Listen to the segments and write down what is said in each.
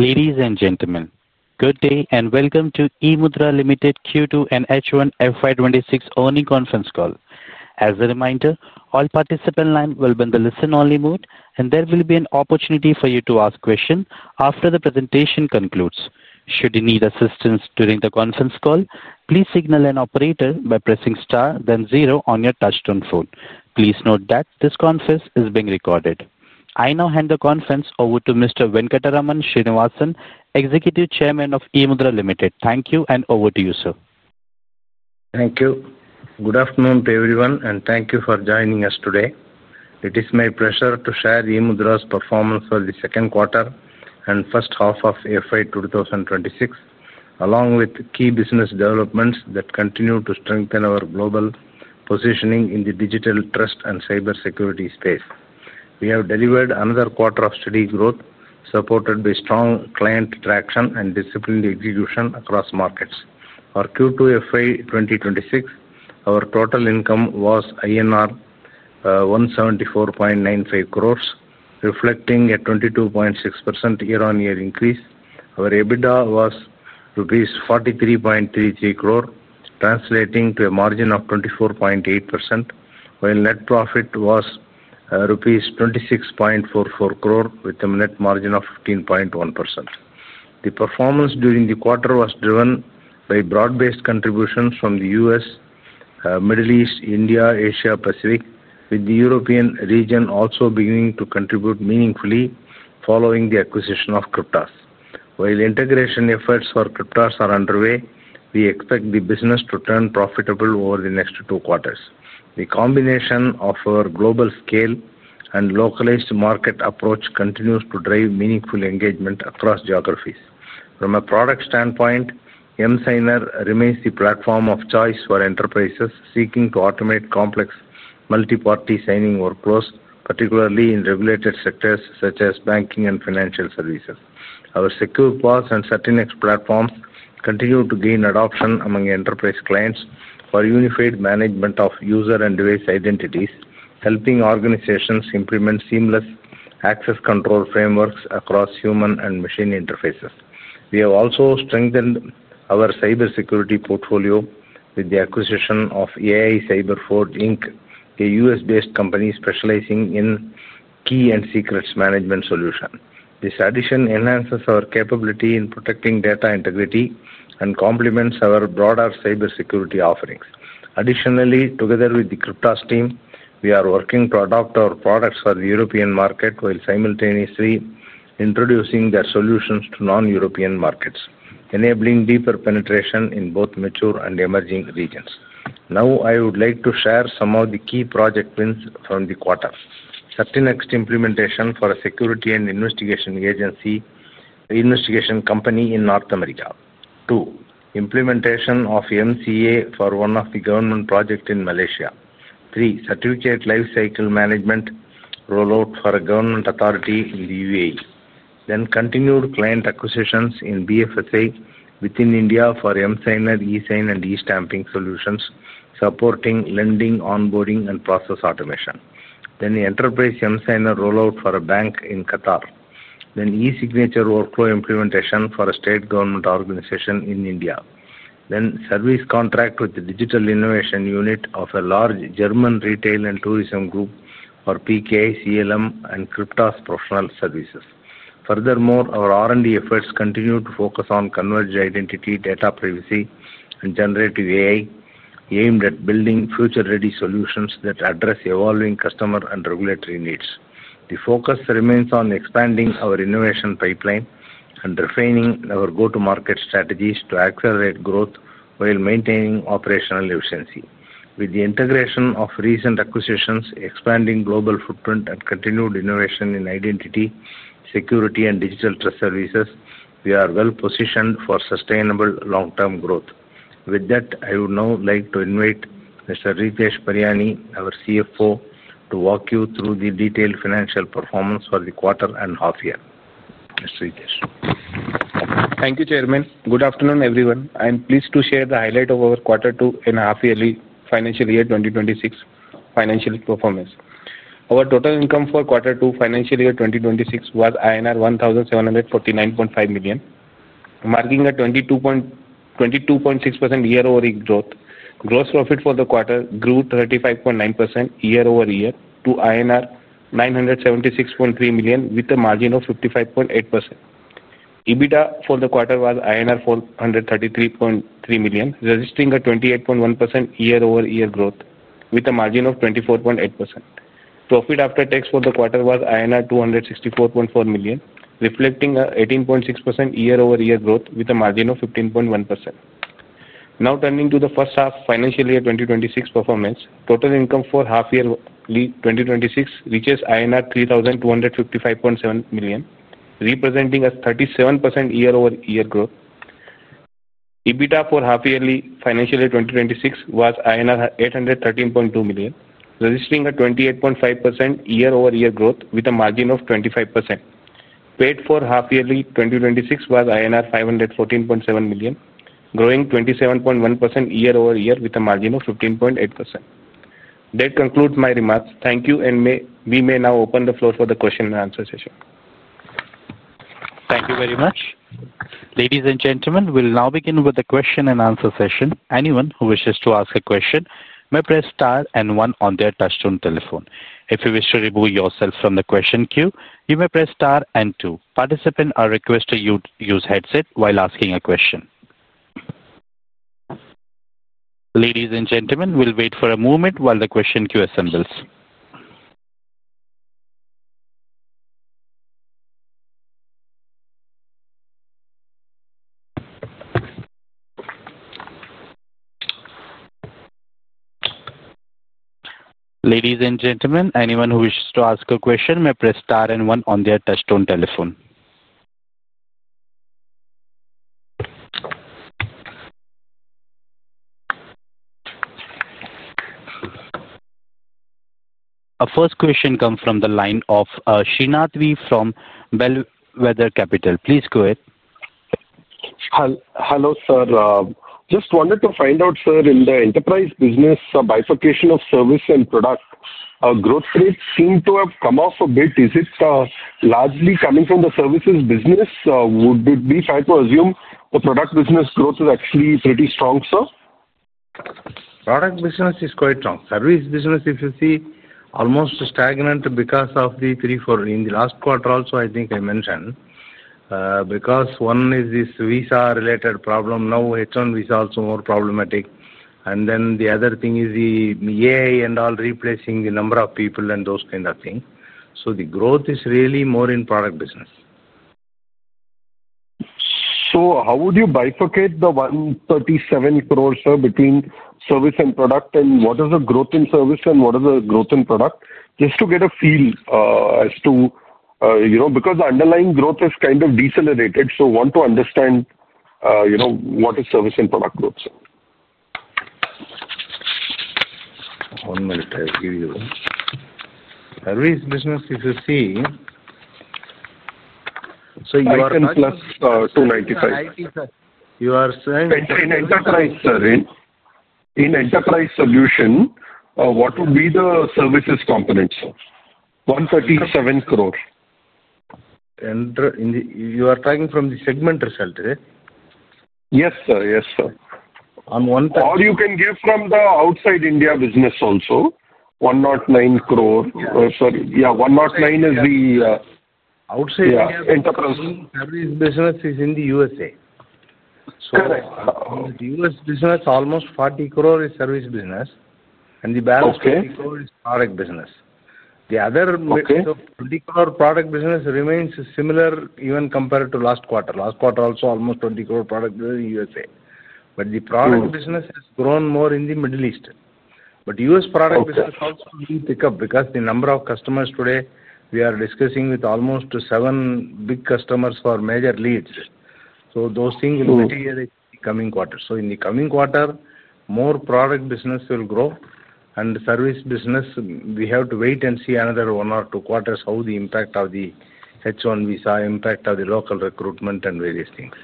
Ladies and gentlemen, good day and welcome to eMudhra Limited Q2 and H1 FY 2026 earning conference call. As a reminder, all participant lines will be in the listen-only mode, and there will be an opportunity for you to ask questions after the presentation concludes. Should you need assistance during the conference call, please signal an operator by pressing star, then zero on your touch-tone phone. Please note that this conference is being recorded. I now hand the conference over to Mr. Venkataraman Srinivasan, Executive Chairman of eMudhra Limited. Thank you, and over to you, sir. Thank you. Good afternoon to everyone, and thank you for joining us today. It is my pleasure to share eMudhra's performance for the second quarter and first half of FY 2026, along with key business developments that continue to strengthen our global positioning in the digital trust and cybersecurity space. We have delivered another quarter of steady growth, supported by strong client traction and disciplined execution across markets. For Q2 FY 2026, our total income was INR 174.95 crores, reflecting a 22.6% year-on-year increase. Our EBITDA was 43.33 crore rupees, translating to a margin of 24.8%, while net profit was rupees 26.44 crore, with a net margin of 15.1%. The performance during the quarter was driven by broad-based contributions from the U.S., Middle East, India, Asia-Pacific, with the European region also beginning to contribute meaningfully following the acquisition of CRYPTAS. While integration efforts for CRYPTAS are underway, we expect the business to turn profitable over the next two quarters. The combination of our global scale and localized market approach continues to drive meaningful engagement across geographies. From a product standpoint, emSigner remains the platform of choice for enterprises seeking to automate complex multi-party signing workflows, particularly in regulated sectors such as banking and financial services. Our SecurePass and CERTInext platforms continue to gain adoption among enterprise clients for unified management of user and device identities, helping organizations implement seamless access control frameworks across human and machine interfaces. We have also strengthened our cybersecurity portfolio with the acquisition of AI CyberForge Inc, a U.S.-based company specializing in key and secrets management solutions. This addition enhances our capability in protecting data integrity and complements our broader cybersecurity offerings. Additionally, together with the CRYPTAS team, we are working to adapt our products for the European market while simultaneously introducing their solutions to non-European markets, enabling deeper penetration in both mature and emerging regions. Now, I would like to share some of the key project wins from the quarter: One, CERTInext implementation for a security and investigation company in North America. Two, implementation of emCA for one of the government projects in Malaysia. Three, certificate lifecycle management rollout for a government authority in the U.A.E. Then continued client acquisitions in BFSI within India for emSigner, eSign, and eStamping solutions, supporting lending, onboarding, and process automation. And the enterprise emSigner rollout for a bank in Qatar. Then eSignature workflow implementation for a state government organization in India. Then service contract with the digital innovation unit of a large German retail and tourism group for PKI, CLM, and CRYPTAS Professional Services. Furthermore, our R&D efforts continue to focus on converged identity, data privacy, and generative AI, aimed at building future-ready solutions that address evolving customer and regulatory needs. The focus remains on expanding our innovation pipeline and refining our go-to-market strategies to accelerate growth while maintaining operational efficiency. With the integration of recent acquisitions, expanding global footprint, and continued innovation in identity, security, and digital Trust Services, we are well-positioned for sustainable long-term growth. With that, I would now like to invite Mr. Ritesh Pariyani, our CFO, to walk you through the detailed financial performance for the quarter and half-year. Mr. Ritesh. Thank you, Chairman. Good afternoon, everyone. I am pleased to share the highlight of our Q2 and half-yearly financial year 2026 financial performance. Our total income for quarter two financial year 2026 was INR 1,749.5 million, marking a 22.6% year-over-year growth. Gross profit for the quarter grew 35.9% year-over-year to INR 976.3 million with a margin of 55.8%. EBITDA for the quarter was INR 433.3 million, registering a 28.1% year-over-year growth with a margin of 24.8%. Profit after tax for the quarter was INR 264.4 million, reflecting a 18.6% year-over-year growth with a margin of 15.1%. Now, turning to the first half financial year 2026 performance, total income for half-yearly 2026 reaches INR 3,255.7 million, representing a 37% year-over-year growth. EBITDA for half-yearly financial year 2026 was INR 813.2 million, registering a 28.5% year-over-year growth with a margin of 25%. PAT for half-yearly 2026 was INR 514.7 million, growing 27.1% year-over-year with a margin of 15.8%. That concludes my remarks. Thank you, and we may now open the floor for the question and answer session. Thank you very much. Ladies and gentlemen, we'll now begin with the question and answer session. Anyone who wishes to ask a question may press star and one on their touch-tone telephone. If you wish to remove yourself from the question queue, you may press star and two. Participants are requested to use headsets while asking a question. Ladies and gentlemen, we'll wait for a moment while the question queue assembles. Ladies and gentlemen, anyone who wishes to ask a question may press star and one on their touch-tone telephone. Our first question comes from the line of Srinath V from Bellwether Capital. Please go ahead. Hello, sir. Just wanted to find out, sir, in the enterprise business bifurcation of service and product, growth rates seem to have come off a bit. Is it largely coming from the services business? Would it be fair to assume the Product Business growth is actually pretty strong, sir? Product business is quite strong. Service business, if you see, almost stagnant because of the three, four in the last quarter also, I think I mentioned. Because one is this visa-related problem. Now, H1 visa is also more problematic. The other thing is the AI and all replacing the number of people and those kind of things. The growth is really more in Product Business. How would you bifurcate the 137 crore, sir, between service and product? What is the growth in service, and what is the growth in product? Just to get a feel as to, because the underlying growth is kind of decelerated, I want to understand. What is service and product growth, sir? One minute, I'll give you the Service Business, if you see. You are coming to 295. You are saying. In enterprise, sir. In enterprise solution, what would be the services component, sir? 137 crore. You are talking from the segment result, right? Yes, sir. Yes, sir. Or you can give from the outside India business also. 109 crore. Yeah, 109 is the. Outside India business. our business in the U.S.A. Correct. The U.S. business, almost [40 crore] in Service Business, and the balance of business. The other [the core] Product Business remains similar even compared to last quarter. Last quarter also, almost [20 crore] product in the U.S.A. But the Product Business has grown more in the Middle East. But the U.S. Product Business also will pick up because the number of customers today, we are discussing with almost seven big customers for major leads. Those things will mitigate in the coming quarter. In the coming quarter, more Product Business will grow. Service business, we have to wait and see another one or two quarters how the impact of the H1 visa, impact of the local recruitment, and various things.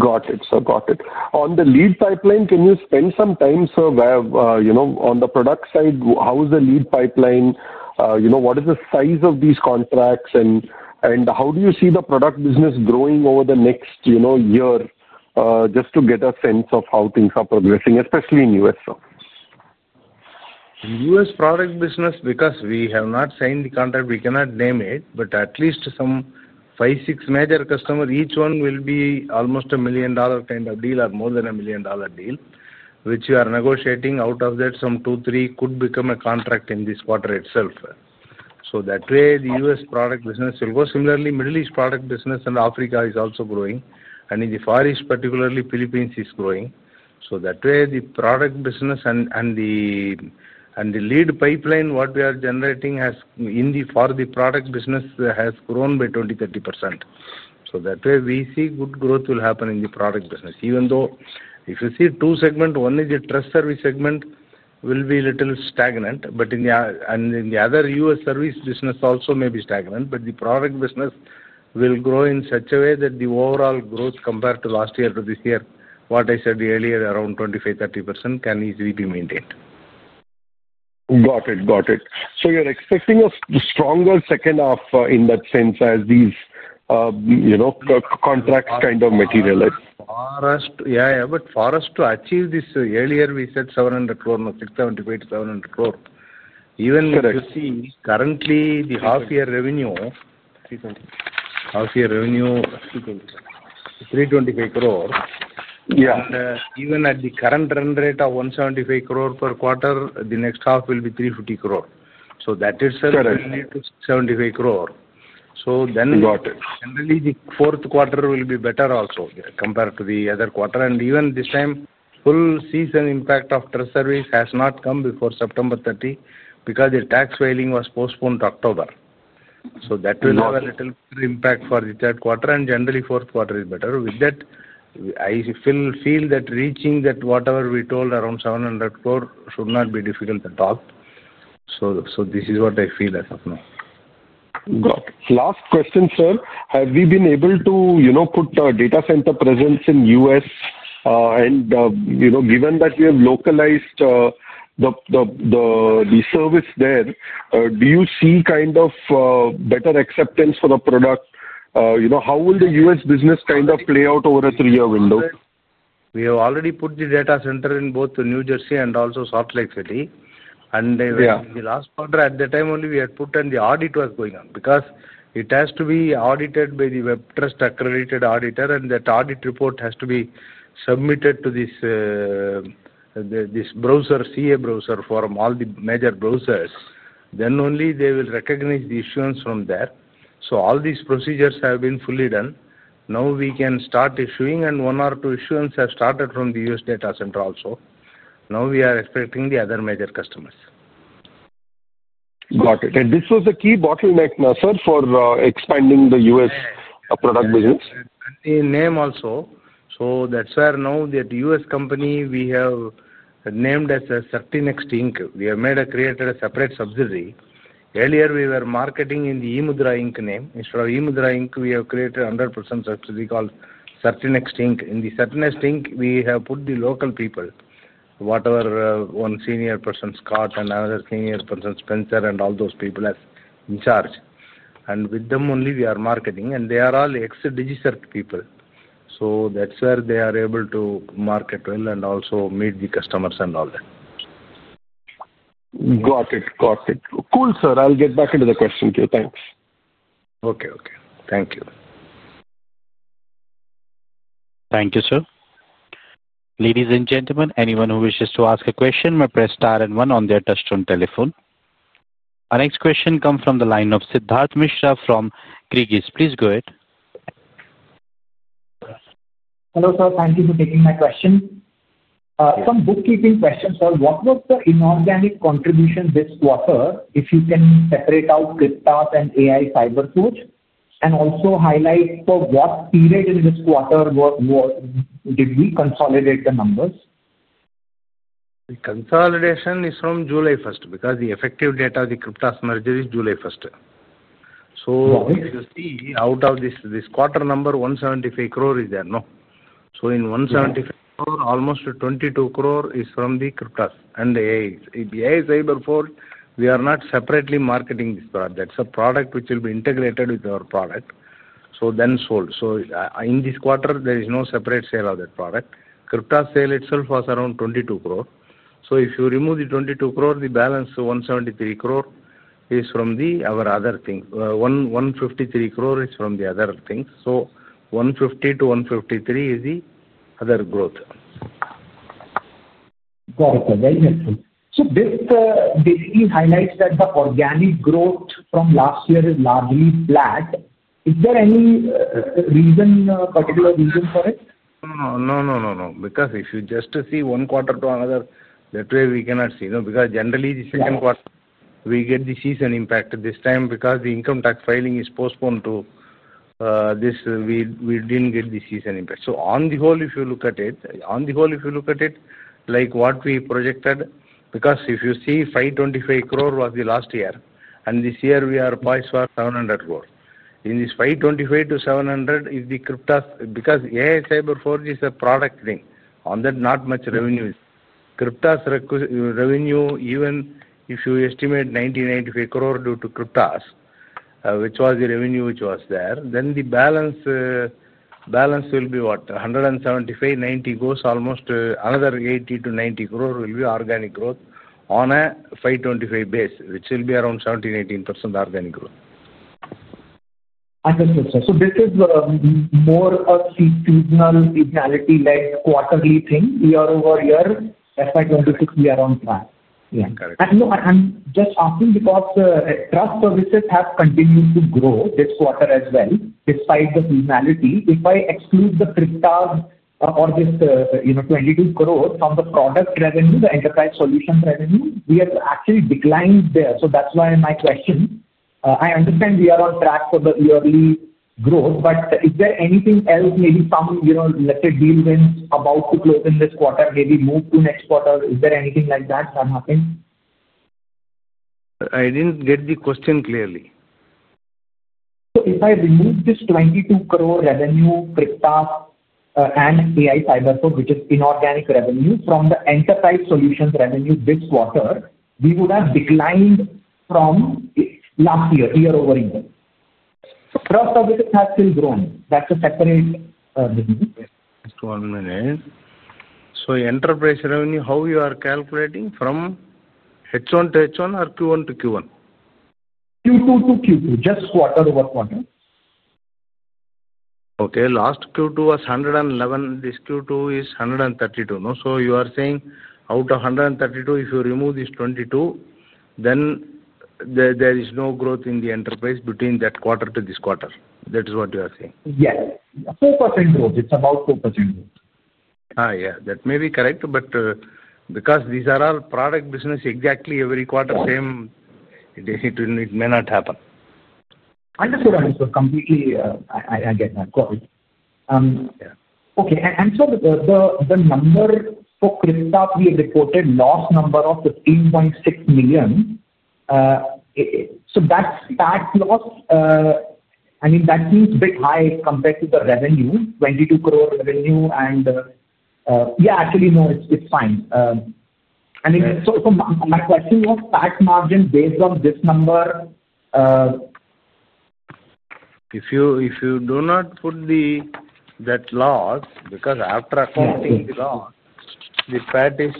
Got it. On the lead pipeline, can you spend some time, sir, on the product side? How is the lead pipeline? What is the size of these contracts? How do you see the Product Business growing over the next year? Just to get a sense of how things are progressing, especially in the U.S., sir. U.S. Product Business, because we have not signed the contract, we cannot name it, but at least five, six major customers, each one will be almost a $1 million kind of deal or more than a $1 million deal, which we are negotiating. Out of that, two, three could become a contract in this quarter itself. That way, the U.S. Product Business will grow. Similarly, Middle East Product Business and Africa is also growing. In the Far East, particularly, Philippines is growing. That way, the Product Business and the lead pipeline we are generating for the Product Business has grown by 20%-30%. That way, we see good growth will happen in the Product Business. Even though if you see two segments, one is the Trust Service segment, will be a little stagnant. In the other U.S. Service Business also may be stagnant, but the Product Business will grow in such a way that the overall growth compared to last year to this year, what I said earlier, around 25%-30% can easily be maintained. Got it. Got it. You're expecting a stronger second half in that sense as these contracts kind of materialize? Yeah, yeah. For us to achieve this earlier, we said [700 crore-800 crore]. Even if you see, currently, the half-year revenue. Half-year revenue. 325. 325 crore. Yeah. Even at the current run rate of 175 crore per quarter, the next half will be 350 crore. That itself will lead to 75 crore. Then. Got it. Generally, the fourth quarter will be better also compared to the other quarter. Even this time, full season impact of Trust Service has not come before September 30 because the tax filing was postponed to October. That will have a little impact for the third quarter, and generally, fourth quarter is better. With that, I feel that reaching that whatever we told around 700 crore should not be difficult at all. This is what I feel as of now. Last question, sir. Have we been able to put data center presence in the U.S.? Given that we have localized the service there, do you see kind of better acceptance for the product? How will the U.S. business kind of play out over a three-year window? We have already put the data center in both New Jersey and also Salt Lake City. In the last quarter, at the time only, we had put, and the audit was going on. Because it has to be audited by the web trust accredited auditor, and that audit report has to be submitted to this Browser, CA/Browser Forum, all the major browsers. Then only they will recognize the issuance from there. All these procedures have been fully done. Now we can start issuing, and one or two issuance has started from the U.S. data center also. Now we are expecting the other major customers. Got it. This was the key bottleneck, sir, for expanding the U.S. Product Business? The name also. That is where now that U.S. company we have named as CERTInext. We have created a separate subsidiary. Earlier, we were marketing in the eMudhra name. Instead of eMudhra, we have created a 100% subsidiary called CERTInext Inc. In CERTInext Inc, we have put the local people. Whatever one senior person, Scott, and another senior person, Spencer, and all those people as in charge. With them only, we are marketing. They are all ex-DigiCert people. That is where they are able to market well and also meet the customers and all that. Got it. Got it. Cool, sir. I'll get back into the question queue. Thanks. Okay. Okay. Thank you. Thank you, sir. Ladies and gentlemen, anyone who wishes to ask a question may press star and one on their touch-tone telephone. Our next question comes from the line of Siddharth Mishra from Creaegis. Please go ahead. Hello, sir. Thank you for taking my question. Some bookkeeping questions, sir. What was the inorganic contribution this quarter if you can separate out CRYPTAS and AI CyberForge? Also, highlight for what period in this quarter did we consolidate the numbers? The consolidation is from July 1st because the effective date of the CRYPTAS merger is July 1st. If you see, out of this quarter number, 175 crore is there. No. In 175 crore, almost 22 crore is from the CRYPTAS and the AI CyberForge. We are not separately marketing this product. That is a product which will be integrated with our product, then sold. In this quarter, there is no separate sale of that product. CRYPTAS sale itself was around 22 crore. If you remove the 22 crore, the balance, 153 crore is from our other thing. 150 to 153 is the other growth. Got it. Very helpful. Basically highlights that the organic growth from last year is largely flat. Is there any particular reason for it? No, no. Because if you just see one quarter to another, that way we cannot see. Because generally, the second quarter, we get the season impact this time because the income tax filing is postponed to. This we did not get the season impact. If you look at it, on the whole, if you look at it like what we projected, because if you see 525 crore was the last year, and this year we are priced for 700 crore. In this 525 to 700, if the CRYPTAS, because AI CyberForge is a product thing, on that not much revenue is. CRYPTAS revenue, even if you estimate 90 crore-95 crore due to CRYPTAS, which was the revenue which was there, then the balance will be what? 175, 90 goes almost another 80 crore-90 crore will be organic growth on a 525 base, which will be around 17%-18% organic growth. Understood, sir. This is more of a seasonal, seasonality-led quarterly thing. Year-over-year, FY 2026, we are on track. Correct. Just asking because Trust Services have continued to grow this quarter as well, despite the seasonality. If I exclude CRYPTAS or this 22 crore from the product revenue, the enterprise solution revenue, we have actually declined there. That is why my question. I understand we are on track for the yearly growth, but is there anything else, maybe some, let's say, deal wins about to close in this quarter, maybe move to next quarter? Is there anything like that that happened? I didn't get the question clearly. If I remove this 22 crore revenue, CRYPTAS and AI CyberForge, which is inorganic revenue, from the enterprise solutions revenue this quarter, we would have declined from last year, year-over-year. Trust services have still grown. That's a separate business. One minute. So enterprise revenue, how are you calculating from H1 to H1 or Q1 to Q1? Q2 to Q2, just quarter-over-quarter. Okay. Last Q2 was 111. This Q2 is 132. So you are saying out of 132, if you remove this 22, then there is no growth in the enterprise between that quarter to this quarter. That is what you are saying. Yes. 4% growth. It's about 4% growth. Yeah. That may be correct. Because these are all Product Business, exactly every quarter, same. It may not happen. Understood, understood. Completely I get that. Got it. Okay. The number for CRYPTAS, we reported loss number of 15.6 million. That is tax loss. I mean, that seems a bit high compared to the revenue, 22 crore revenue. Yeah, actually, no, it is fine. I mean, my question was tax margin based on this number. If you do not put that loss, because after accounting the loss, the PAT is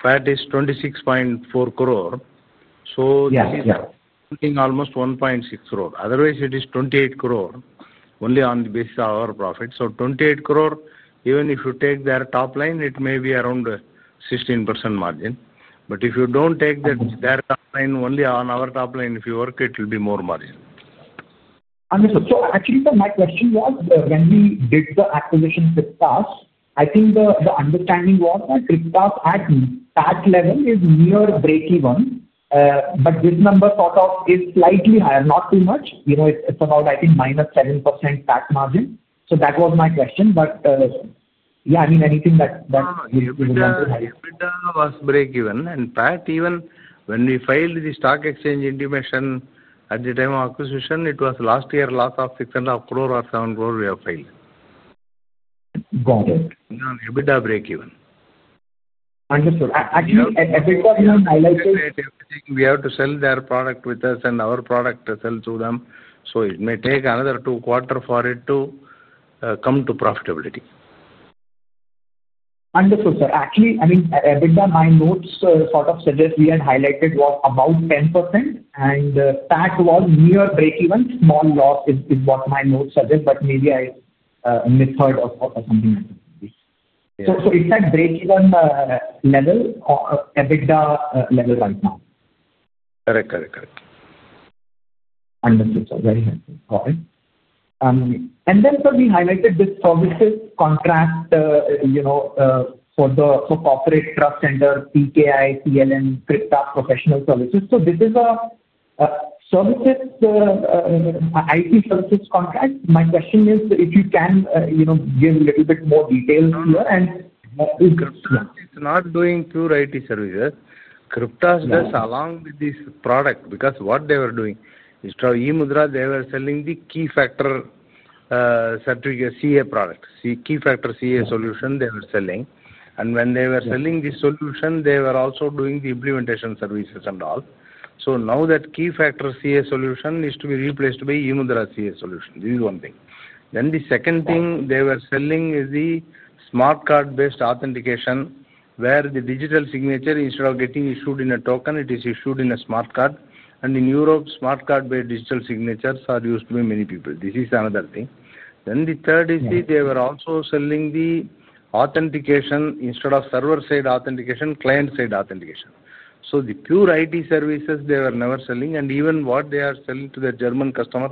26.4 crore. This is accounting almost 1.6 crore. Otherwise, it is 28 crore only on the basis of our profit. 28 crore, even if you take their top line, it may be around 16% margin. If you do not take their top line, only on our top line, if you work, it will be more margin. Understood. Actually, sir, my question was when we did the acquisition with CRYPTAS, I think the understanding was that CRYPTAS at PAT level is near breakeven. This number is slightly higher, not too much. It is about, I think, -7% tax margin. That was my question. Yeah, I mean, anything that you would want to highlight? EBITDA was breakeven. PAT, even when we filed the stock exchange intimation at the time of acquisition, it was last year loss of 6.5 crore or 7 crore we have filed. Got it. EBITDA breakeven. Understood. Actually, EBITDA we have highlighted. We have to sell their product with us and our product to sell to them. It may take another two quarters for it to come to profitability. Understood, sir. Actually, I mean, EBITDA, my notes sort of suggest we had highlighted was about 10%, and PAT was near breakeven. Small loss is what my notes suggest, but maybe I misheard or something like that. So it's at breakeven level, EBITDA level right now. Correct, correct, correct. Understood, sir. Very helpful. Got it. Then, sir, we highlighted this services contract for the corporate trust center, PKI, CLM, CRYPTAS Professional Services. This is an IT services contract. My question is, if you can give a little bit more details here. It's not doing pure IT services. CRYPTAS does along with this product because what they were doing is eMudhra, they were selling the Keyfactor [certificacy] products, Keyfactor CA solution they were selling. When they were selling this solution, they were also doing the implementation services and all. Now that Keyfactor CA solution is to be replaced by eMudhra CA solution. This is one thing. The second thing they were selling the Smart Card-based Authentication where the digital signature, instead of getting issued in a token, it is issued in a smart card. In Europe, smart card-based digital signatures are used by many people. This is another thing. The third is they were also selling the authentication instead of server-side authentication, client-side authentication. The pure IT services they were never selling. Even what they are selling to the German customer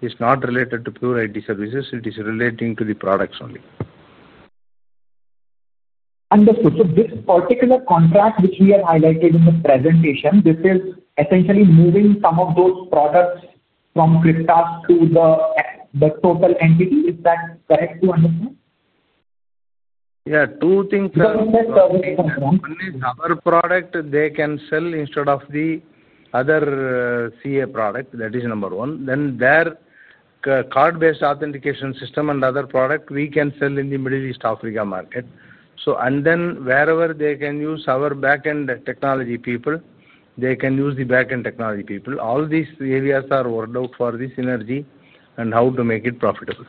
is not related to pure IT services. It is relating to the products only. Understood. This particular contract, which we have highlighted in the presentation, is essentially moving some of those products from CRYPTAS to the total entity. Is that correct to understand? Yeah. Two things. One is the service contract. One is our product they can sell instead of the other CA product. That is number one. Their card-based authentication system and other product we can sell in the Middle East Africa market. Wherever they can use our back-end technology people, they can use the back-end technology people. All these areas are worked out for this synergy and how to make it profitable.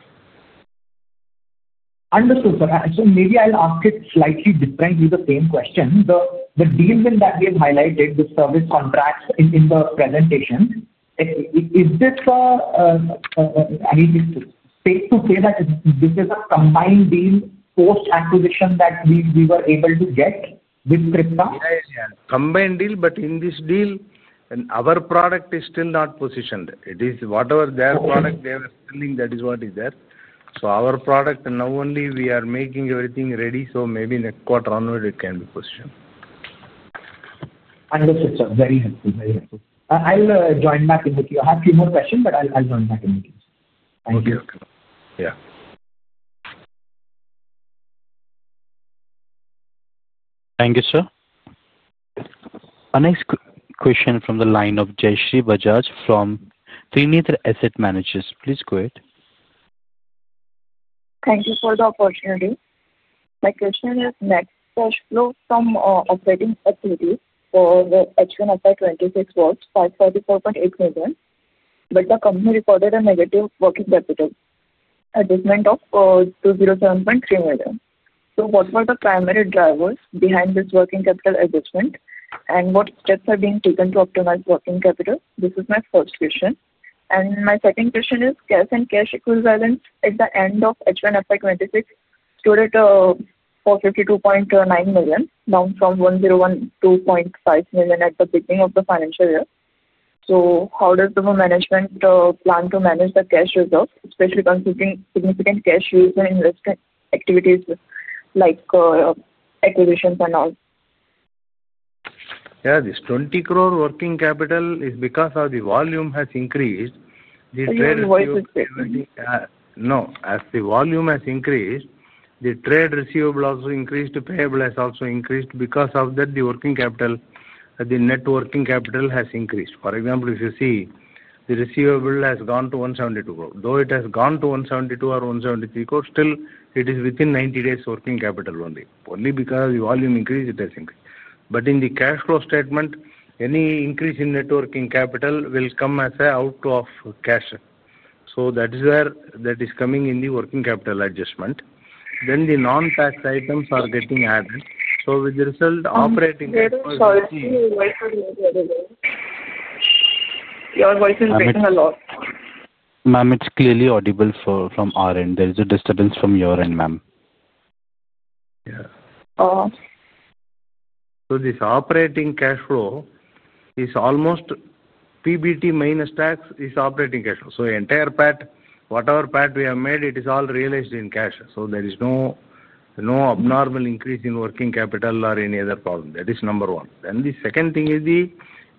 Understood, sir. Maybe I'll ask it slightly differently, the same question. The deal that we have highlighted, the service contracts in the presentation. Is this, I mean, it's safe to say that this is a combined deal post-acquisition that we were able to get with CRYPTAS? Combined deal, but in this deal, our product is still not positioned. It is whatever their product they were selling, that is what is there. Our product, now only we are making everything ready. Maybe next quarter onward, it can be positioned. Understood, sir. Very helpful. Very helpful. I'll join back in the queue. I have a few more questions, but I'll join back in the queue. Thank you. Okay. Yeah. Thank you, sir. Our next question from the line of Jayshree Bajaj from Trinetra Asset Managers. Please go ahead. Thank you for the opportunity. My question is net cash flow from operating activity for H1 FY 2026 was 544.8 million. The company reported a negative working capital adjustment of 207.3 million. What were the primary drivers behind this working capital adjustment? What steps are being taken to optimize working capital? This is my first question. My second question is cash and cash equivalents at the end of H1 FY 2026 stood at 452.9 million, down from 1,012.5 million at the beginning of the financial year. How does the management plan to manage the cash reserve, especially considering significant cash use and investment activities like acquisitions and all? Yeah. This 20 crore working capital is because of the volume has increased. Invoices payable? No. As the volume has increased, the trade receivable also increased. Payable has also increased. Because of that, the working capital, the net working capital has increased. For example, if you see, the receivable has gone to 172 crore. Though it has gone to 172 or 173 crore, still it is within 90 days working capital only. Only because of the volume increase, it has increased. In the cash flow statement, any increase in net working capital will come as an out of cash. That is where that is coming in the working capital adjustment. Then the non-tax items are getting added. With the result, operating capital. Sorry. Your voice is getting a lot. Ma'am, it's clearly audible from our end. There is a disturbance from your end, ma'am. Yeah. So this operating cash flow is almost PBT minus tax is operating cash flow. So entire PAT, whatever PAT we have made, it is all realized in cash. So there is no abnormal increase in working capital or any other problem. That is number one. The second thing is,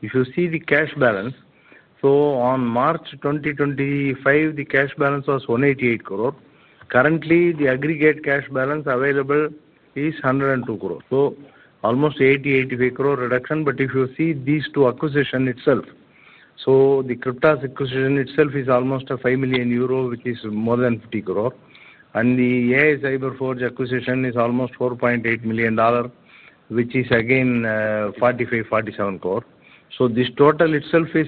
if you see the cash balance, on March 2025, the cash balance was 188 crore. Currently, the aggregate cash balance available is 102 crore. So almost 80 crore-85 crore reduction. If you see these two acquisitions itself, the CRYPTAS acquisition itself is almost 5 million euro, which is more than 50 crore. The AI CyberForge acquisition is almost $4.8 million, which is again 45 crore-47 crore. This total itself is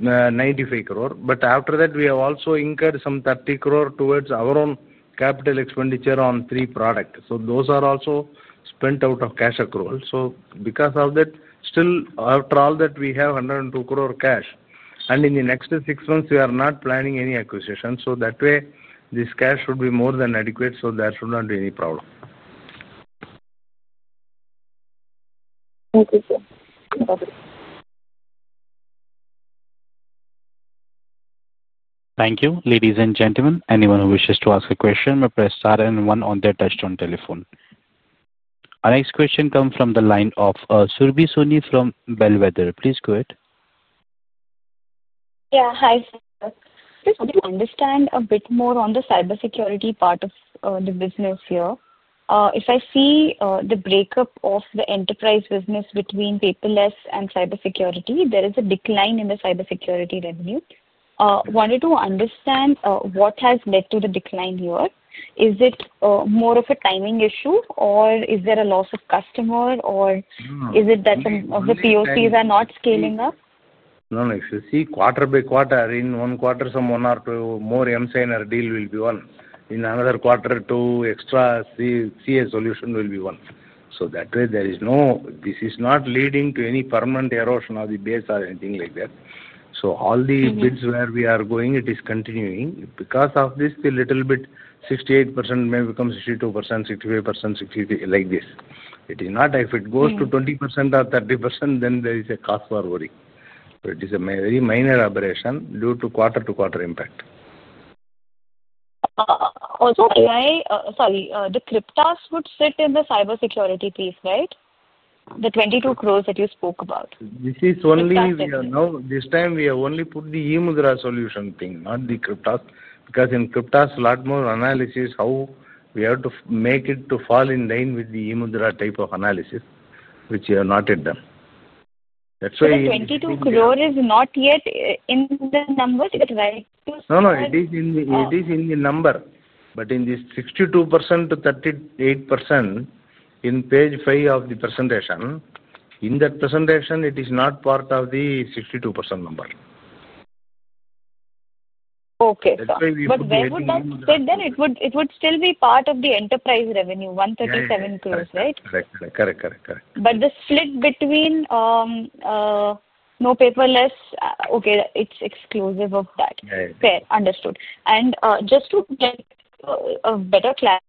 95 crore. After that, we have also incurred some 30 crore towards our own capital expenditure on three products. Those are also spent out of cash accrual. Because of that, still, after all that, we have 102 crore cash. In the next six months, we are not planning any acquisition. That way, this cash should be more than adequate. There should not be any problem. Thank you, sir. Bye-bye. Thank you. Ladies and gentlemen, anyone who wishes to ask a question may press star and one on their touchstone telephone. Our next question comes from the line of Surbhi Soni from Bellwether. Please go ahead. Yeah. Hi, sir. Just to understand a bit more on the cybersecurity part of the business here. If I see the breakup of the enterprise business between paperless and cybersecurity, there is a decline in the cybersecurity revenue. Wanted to understand what has led to the decline here. Is it more of a timing issue, or is there a loss of customer, or is it that the POCs are not scaling up? No. You see, quarter by quarter, in one quarter, some one or two more emSigner deal will be won. In another quarter, two extra CA solution will be won. That way, this is not leading to any permanent erosion of the base or anything like that. All the bids where we are going, it is continuing. Because of this, the little bit 68% may become 62%, 65%, 63% like this. It is not if it goes to 20% or 30%, then there is a cost forwarding. It is a very minor aberration due to quarter-to-quarter impact. Also, sorry, the CRYPTAS would sit in the cybersecurity piece, right? The 22 crores that you spoke about. This is only we are now this time, we have only put the eMudhra solution thing, not the CRYPTAS. Because in CRYPTAS, a lot more analysis how we have to make it to fall in line with the eMudhra type of analysis, which we have not yet done. So 22 crore is not yet in the numbers, is it right to say? No, no. It is in the number. But in this 62%-38%. In page five of the presentation, in that presentation, it is not part of the 62% number. Okay. But then it would still be part of the enterprise revenue, 137 crores, right? Correct. The split between, no paperless, okay, it's exclusive of that. Yeah. Yeah. Fair. Understood. Just to get a better clarity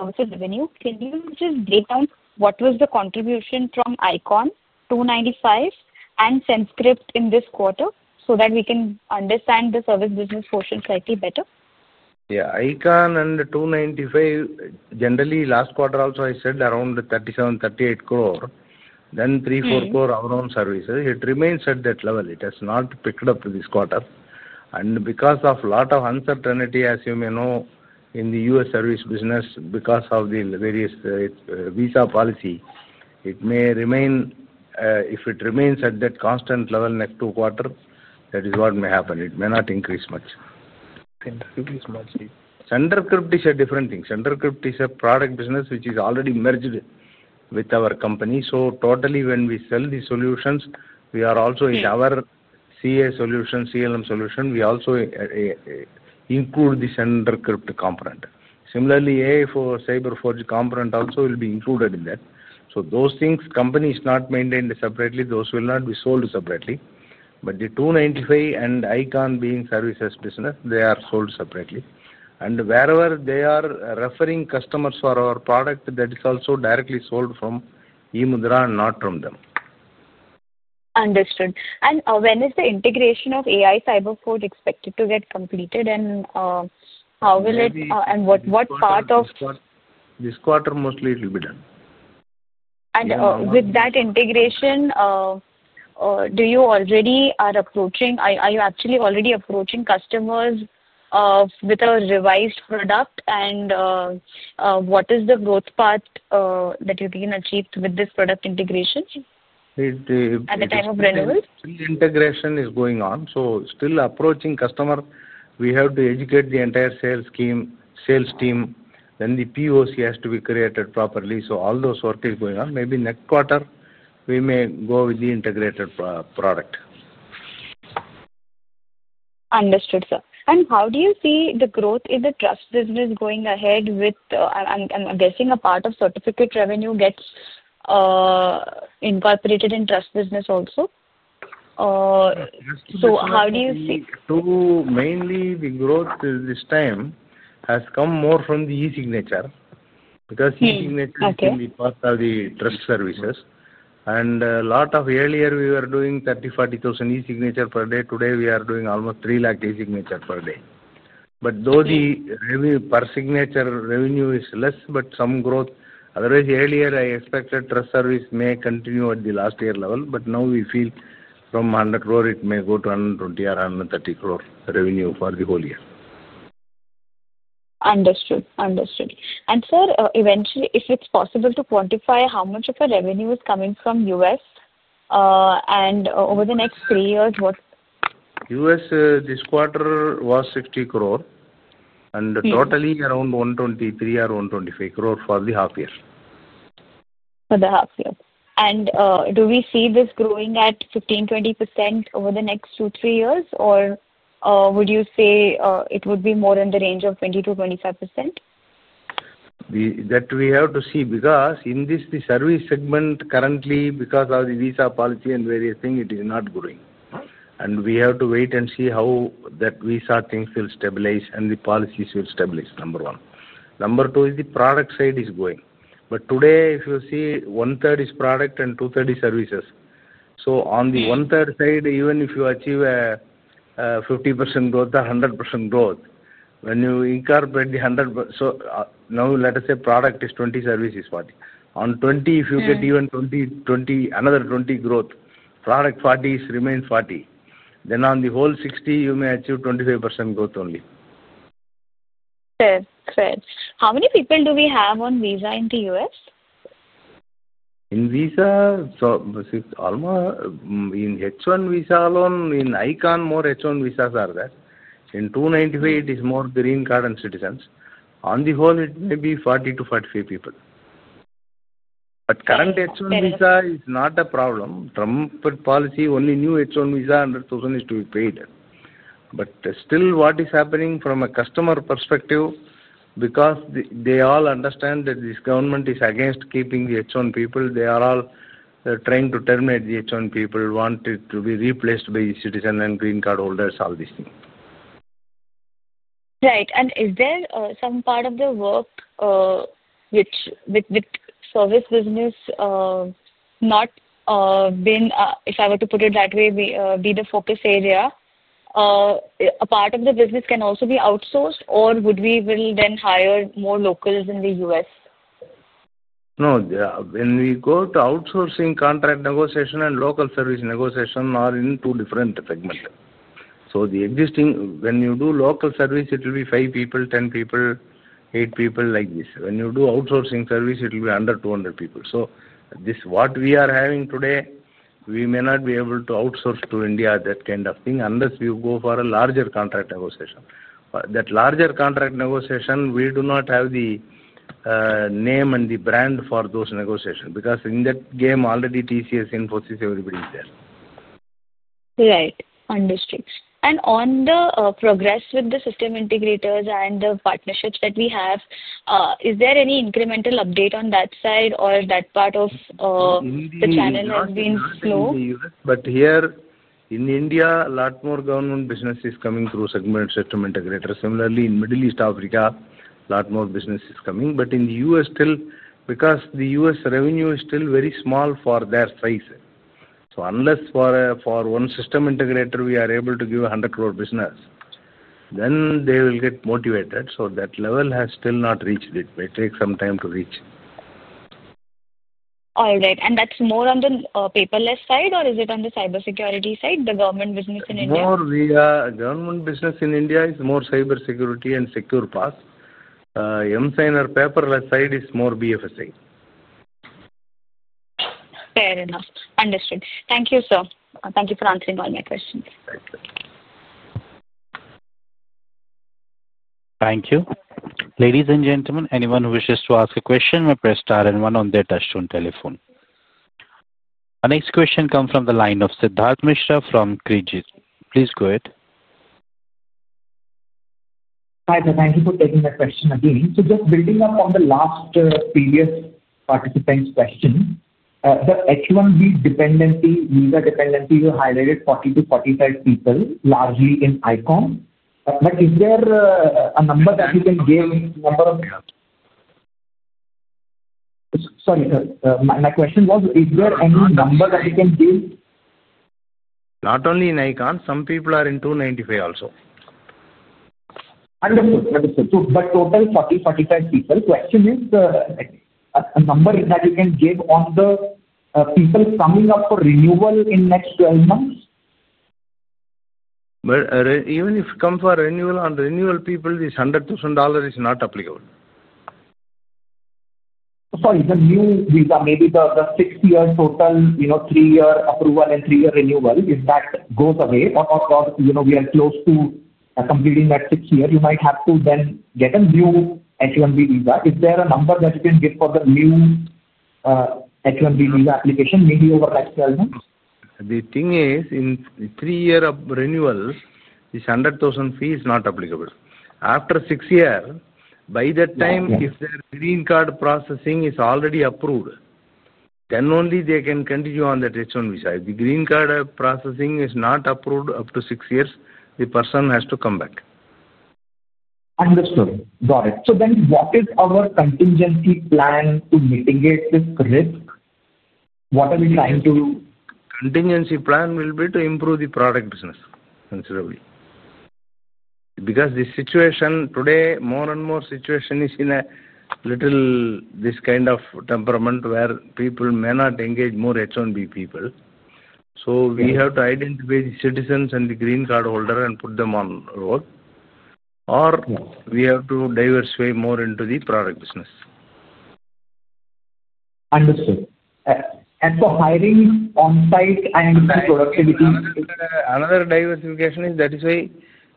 of the revenue, can you just break down what was the contribution from Ikon, TWO95, and Sendrcrypt in this quarter so that we can understand the Service Business portion slightly better? Yeah. Ikon and TWO95, generally, last quarter also, I said around 37 crore-38 crore. Then 3-4 crore our own services. It remains at that level. It has not picked up this quarter. Because of a lot of uncertainty, as you may know, in the U.S. Service Business, because of the various visa policy, it may remain. If it remains at that constant level next two quarters, that is what may happen. It may not increase much. Sender's crypt is much deeper. Senders crypt is a different thing. Senders crypt is a Product Business which is already merged with our company. Totally, when we sell the solutions, we are also in our CA solution, CLM solution, we also include the Sendrcrypt component. Similarly, AI CyberForge component also will be included in that. Those things, company is not maintained separately. Those will not be sold separately. The TWO95 and Ikon being services business, they are sold separately. Wherever they are referring customers for our product, that is also directly sold from eMudhra and not from them. Understood. When is the integration of AI CyberForge expected to get completed? How will it and what part of? This quarter, mostly, it will be done. With that integration, do you already, are you actually already approaching customers with a revised product? What is the growth path that you can achieve with this product integration at the time of renewal? Integration is going on. Still approaching customer. We have to educate the entire sales team. The POC has to be created properly. All those work is going on. Maybe next quarter, we may go with the integrated product. Understood, sir. How do you see the growth in the trust business going ahead? I'm guessing a part of certificate revenue gets incorporated in trust business also. How do you see? Mainly, the growth this time has come more from the eSignature, because eSignature is going to be part of the Trust Services. A lot of earlier, we were doing 30,000-40,000 eSignature per day. Today, we are doing almost 300,000 eSignature per day. Though the revenue per signature revenue is less, there is some growth. Earlier, I expected Trust Service may continue at the last year level. Now we feel from 1,000,000,000, it may go to 1,200,000,000 or 1,300,000,000 revenue for the whole year. Understood. Understood. Sir, eventually, if it is possible to quantify how much of our revenue is coming from the U.S.. Over the next three years, what? U.S., this quarter was 60 crore. Totally around 123 crore-125 crore for the half year. For the half year. Do we see this growing at 15%-20% over the next two-three years, or would you say it would be more in the range of 20%-25%? That we have to see because in this, the service segment currently, because of the visa policy and various things, it is not growing. We have to wait and see how that visa things will stabilize and the policies will stabilize, number one. Number two is the product side is growing. Today, if you see, one-third is product and two-third is services. On the one-third side, even if you achieve 50% growth or 100% growth, when you incorporate the 100%. Now, let us say product is 20, service is 40. On 20, if you get even 20, 20, another 20 growth, product 40 remains 40. On the whole 60, you may achieve 25% growth only. Fair. Fair. How many people do we have on visa in the U.S.? In visa, almost in H1 visa alone, in Ikon, more H1 visas are there. In TWO95, it is more green card citizens. On the whole, it may be 40-45 people. Current H1 visa is not a problem. Trump policy, only new H1 visa, $100,000 is to be paid. What is happening from a customer perspective, because they all understand that this government is against keeping the H1 people, they are all trying to terminate the H1 people, want it to be replaced by citizen and green card holders, all these things. Right. Is there some part of the work which Service Business has not been, if I were to put it that way, the focus area? A part of the business can also be outsourced, or would we then hire more locals in the U.S.? No. When we go to outsourcing contract negotiation and local service negotiation, we are in two different segments. So the existing, when you do local service, it will be five people, 10 people, eight people like this. When you do outsourcing service, it will be under 200 people. So what we are having today, we may not be able to outsource to India that kind of thing. Unless we go for a larger contract negotiation. That larger contract negotiation, we do not have the name and the brand for those negotiations because in that game, already TCS, Infosys, everybody is there. Right. Understood. On the progress with the system integrators and the partnerships that we have, is there any incremental update on that side or that part of the channel has been slow? Here in India, a lot more government business is coming through segment system integrator. Similarly, in Middle East, Africa, a lot more business is coming. In the U.S., still, because the U.S. revenue is still very small for their size. Unless for one system integrator, we are able to give a 100 crore business, then they will get motivated. That level has still not reached. It may take some time to reach. All right. That's more on the paperless side, or is it on the cybersecurity side, the government business in India? Government business in India is more cybersecurity and SecurePass. emSigner or paperless side is more BFSI. Fair enough. Understood. Thank you, sir. Thank you for answering all my questions. Thank you. Thank you. Ladies and gentlemen, anyone who wishes to ask a question may press star and one on their touchstone telephone. Our next question comes from the line of Siddharth Mishra from Creaegis. Please go ahead. Hi there. Thank you for taking the question again. Just building up on the last previous participant's question, the H1 visa dependency, visa dependency, you highlighted 40-45 people, largely in Ikon. Is there a number that you can give, number of? Sorry, sir. My question was, is there any number that you can give? Not only in Ikon. Some people are in TWO95 also. Understood. Understood. Total 40-45 people. Question is, a number that you can give on the people coming up for renewal in next 12 months? Even if come for renewal, on renewal people, this $100,000 is not applicable. Sorry, the new visa, maybe the six-year total, three-year approval and three-year renewal, if that goes away or we are close to completing that six-year, you might have to then get a new H1 visa. Is there a number that you can give for the new H1 visa application, maybe over next 12 months? The thing is, in three-year renewal, this $100,000 fee is not applicable. After six years, by that time, if their green card processing is already approved, then only they can continue on that H1 visa. If the green card processing is not approved up to six years, the person has to come back. Understood. Got it. What is our contingency plan to mitigate this risk? What are we trying to? Contingency plan will be to improve the Product Business considerably. Because the situation today, more and more situation is in a little this kind of temperament where people may not engage more H-1 B people. So we have to identify the citizens and the green card holder and put them on road. Or we have to diversify more into the Product Business. Understood. For hiring on-site and the productivity? Another diversification is that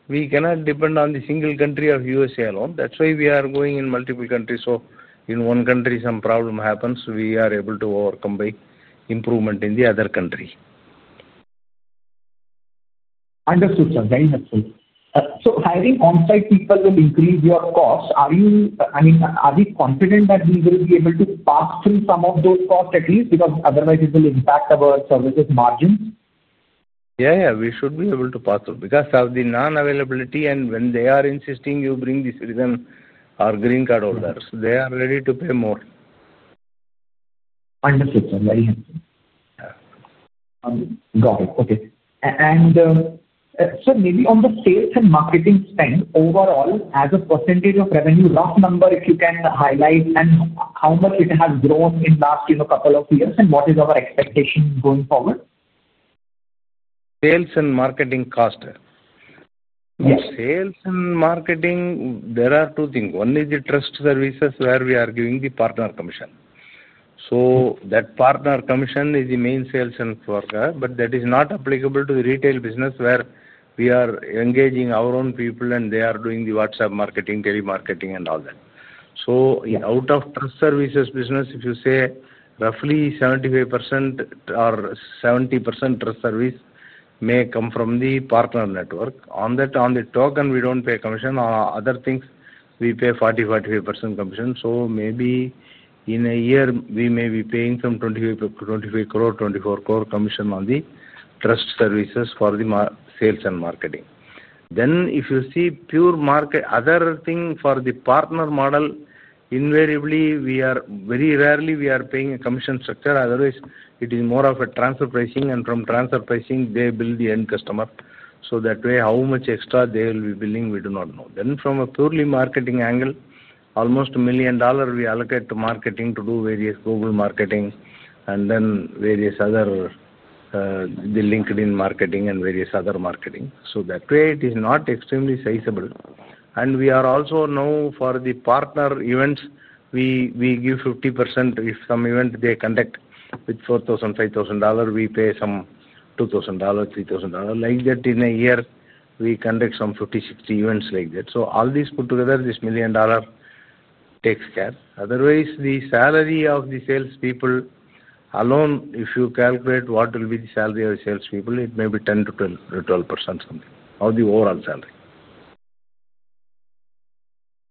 we cannot depend on the single country of U.S. alone. That's why we are going in multiple countries. In one country, some problem happens, we are able to overcome by improvement in the other country. Understood, sir. Very helpful. Hiring on-site people will increase your cost. I mean, are we confident that we will be able to pass through some of those costs at least? Because otherwise, it will impact our services margins. Yeah, yeah. We should be able to pass through. Because of the non-availability and when they are insisting you bring the citizen or green card holders, they are ready to pay more. Understood, sir. Very helpful. Got it. Okay. Sir, maybe on the Sales and Marketing spend, overall, as a percentage of revenue, rough number if you can highlight, and how much it has grown in the last couple of years, and what is our expectation going forward? Sales and Marketing cost. Sales and Marketing, there are two things. One is the Trust Services where we are giving the partner commission. That partner commission is the main sales worker, but that is not applicable to the retail business where we are engaging our own people and they are doing the WhatsApp marketing, telemarketing, and all that. Out of Trust Services business, if you say roughly 75% or 70% Trust Service may come from the partner network. On the token, we do not pay commission. On other things, we pay 40-45% commission. Maybe in a year, we may be paying some 25 crore, 24 crore commission on the Trust Services for the Sales and Marketing. If you see pure market, other thing for the partner model, invariably, we are very rarely paying a commission structure. Otherwise, it is more of a transfer pricing, and from transfer pricing, they bill the end customer. That way, how much extra they will be billing, we do not know. From a purely marketing angle, almost $1 million we allocate to marketing to do various Google marketing and then various other, the LinkedIn marketing and various other marketing. That way, it is not extremely sizable. We are also now, for the partner events, giving 50%. If some event they conduct with $4,000, $5,000, we pay some $2,000, $3,000. Like that, in a year, we conduct some 50-60 events like that. All these put together, this $1 million takes care. Otherwise, the salary of the salespeople alone, if you calculate what will be the salary of salespeople, it may be 10-%12% of the overall salary.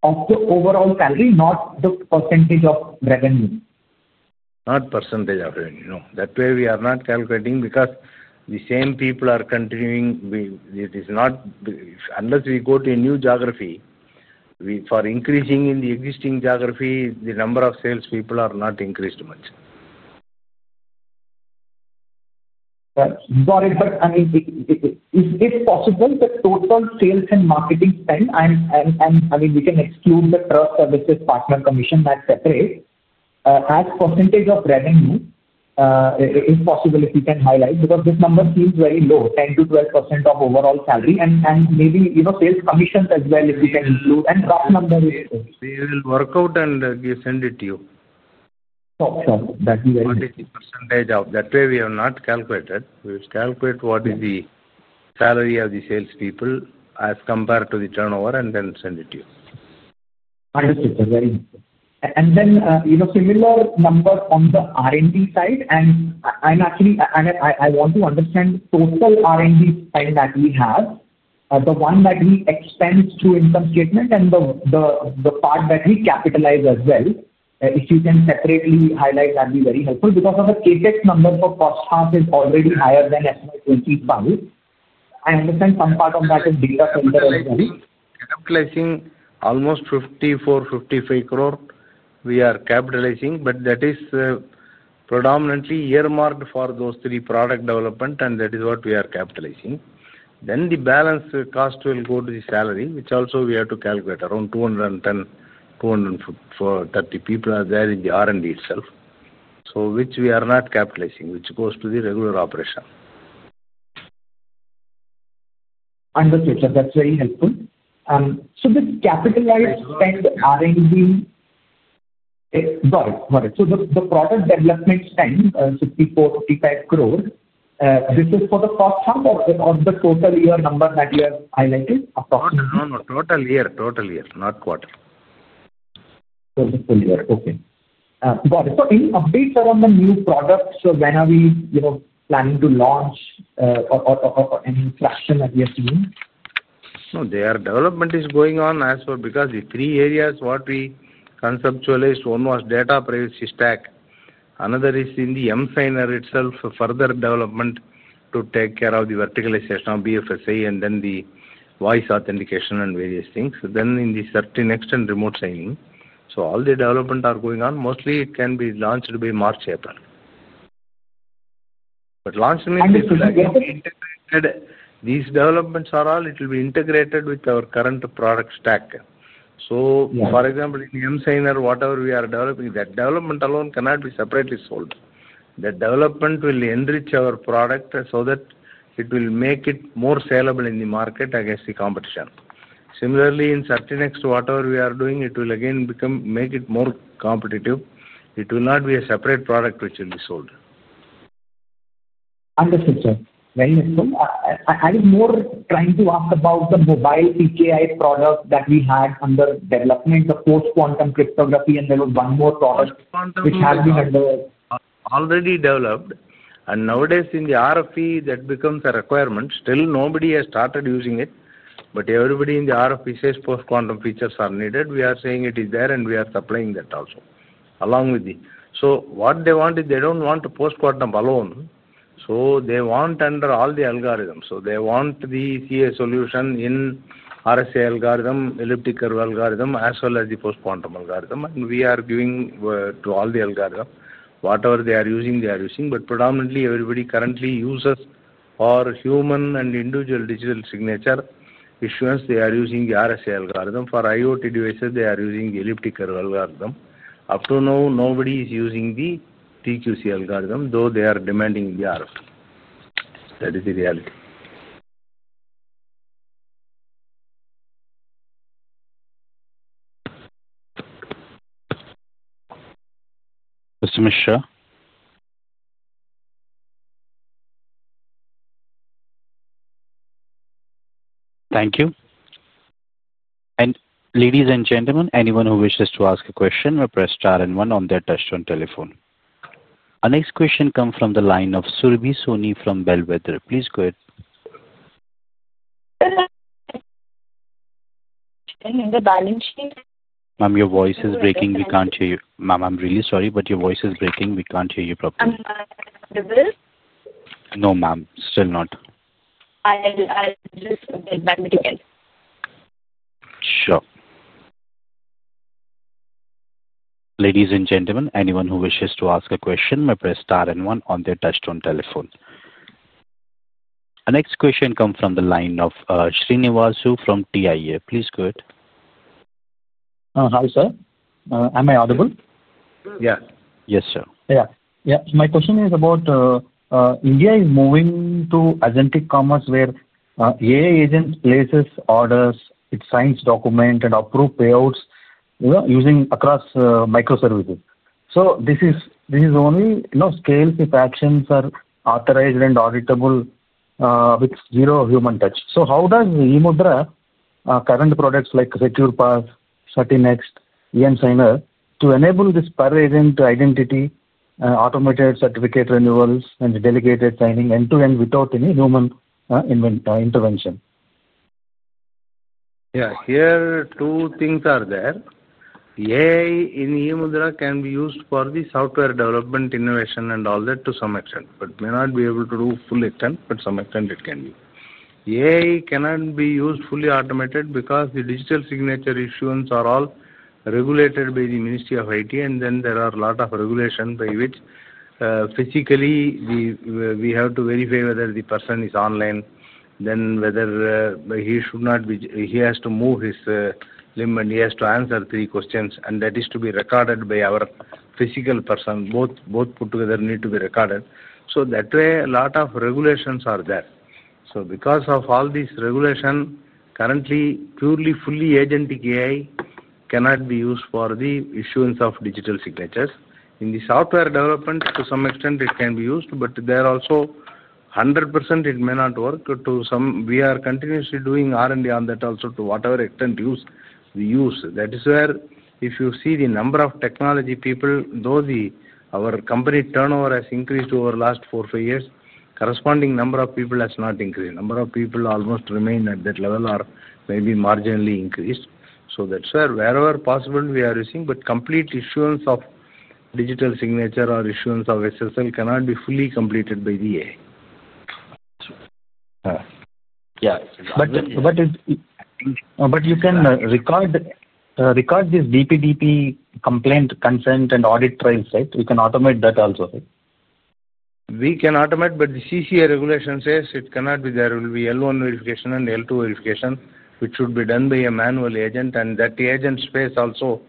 Of the overall salary, not the percentage of revenue? Not percentage of revenue. No. That way, we are not calculating because the same people are continuing. It is not unless we go to a new geography. For increasing in the existing geography, the number of salespeople are not increased much. Got it. I mean, if possible, the total Sales and Marketing spend, and I mean, we can exclude the Trust Services partner commission, that is separate, as percentage of revenue. If possible, if you can highlight, because this number seems very low, 10-12% of overall salary, and maybe sales commissions as well, if you can include, and rough number. We will work out and we send it to you. Sure. Sure. That would be very helpful. Only the percentage out. That way, we have not calculated. We will calculate what is the salary of the salespeople as compared to the turnover and then send it to you. Understood, sir. Very helpful. Then similar number on the R&D side, and actually, I want to understand total R&D spend that we have, the one that we expend through income statement and the part that we capitalize as well. If you can separately highlight, that would be very helpful because the CapEx number for cost hub is already higher than S&P 25. I understand some part of that is data center as well. Capitalizing almost 54 crore-55 crore, we are capitalizing, but that is predominantly earmarked for those three product development, and that is what we are capitalizing. The balance cost will go to the salary, which also we have to calculate. Around 210-230 people are there in the R&D itself, which we are not capitalizing, which goes to the regular operation. Understood, sir. That's very helpful. The capitalized spend R&D. Sorry, sorry. The product development spend, 54 crore-55 crore, this is for the cost hub or the total year number that you have highlighted approximately? No, no. Total year. Total year. Not quarter. Total year. Okay. Got it. Any updates around the new products? When are we planning to launch, or any inflection that we are seeing? No, their development is going on as well because the three areas what we conceptualized, one was data privacy stack. Another is in the emSigner itself, further development to take care of the verticalization of BFSI and then the voice authentication and various things. In the 13X and remote signing, all the development are going on. Mostly, it can be launched by March or April. Launching means integrated. These developments are all, it will be integrated with our current product stack. For example, in emSigner, whatever we are developing, that development alone cannot be separately sold. That development will enrich our product so that it will make it more sellable in the market against the competition. Similarly, in 13X, whatever we are doing, it will again make it more competitive. It will not be a separate product which will be sold. Understood, sir. Very helpful. I was more trying to ask about the mobile PKI product that we had under development, the post-quantum cryptography, and there was one more product which has been under the. Already developed. Nowadays, in the RFP, that becomes a requirement. Still, nobody has started using it. Everybody in the RFP says post-quantum features are needed. We are saying it is there, and we are supplying that also, along with the. What they want is they do not want post-quantum alone. They want under all the algorithms. They want the CA solution in RSA algorithm, elliptic curve algorithm, as well as the post-quantum algorithm. We are giving to all the algorithms. Whatever they are using, they are using. Predominantly, everybody currently uses for human and individual digital signature issuance, they are using the RSA algorithm. For IoT devices, they are using elliptic curve algorithm. Up to now, nobody is using the post-quantum algorithm, though they are demanding the RFP. That is the reality. Mr. Mishra? Thank you. Ladies and gentlemen, anyone who wishes to ask a question may press star and one on their touchstone telephone. Our next question comes from the line of Surbhi Soni from Bellwether. Please go ahead. Hello. Ma'am, your voice is breaking. We can't hear you. Ma'am, I'm really sorry, but your voice is breaking. We can't hear you properly. I'm available? No, ma'am. Still not. I'll just get back to you again. Sure. Ladies and gentlemen, anyone who wishes to ask a question may press star and one on their touchstone telephone. Our next question comes from the line of Srinivasu from TIA. Please go ahead. Hi, sir. Am I audible? Yes. Yes, sir. Yeah. Yeah. My question is about. India is moving to agentic commerce where [EA] agent places orders, it signs documents, and approves payouts across microservices. This is only scale if actions are authorized and auditable. With zero human touch. How does eMudhra, current products like SecurePass, 13X, emSigner, to enable this per-agent identity, automated certificate renewals, and delegated signing end-to-end without any human intervention? Yeah. Here, two things are there. EA in eMudhra can be used for the software development, innovation, and all that to some extent, but may not be able to do full extent. But some extent, it can be. EIA cannot be used fully automated because the digital signature issuance are all regulated by the Ministry of IT, and then there are a lot of regulations by which. Physically, we have to verify whether the person is online, then whether he should not be he has to move his limb, and he has to answer three questions, and that is to be recorded by our physical person. Both put together need to be recorded. That way, a lot of regulations are there. Because of all this regulation, currently, purely, fully agentic EIA cannot be used for the issuance of digital signatures. In the software development, to some extent, it can be used, but there also, 100%, it may not work. We are continuously doing R&D on that also to whatever extent we use. That is where, if you see the number of technology people, though our company turnover has increased over the last four, five years, corresponding number of people has not increased. Number of people almost remain at that level or maybe marginally increased. That is where, wherever possible, we are using, but complete issuance of digital signature or issuance of SSL cannot be fully completed by the [EA]. Yeah. You can record this DPDP complaint, consent, and audit trails, right? You can automate that also, right? We can automate, but the CCA regulation says it cannot be there. It will be L1 verification and L2 verification, which should be done by a manual agent, and that agent space also